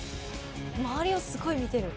周りをすごい見てる。